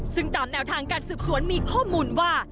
ซึ่งตามแนวทางการสืบสวนมีข้อมูลว่า